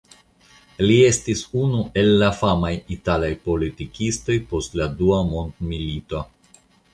Li estis unu el la famaj italaj politikistoj post la Dua Mondmilito.